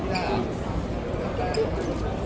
สวัสดีครับ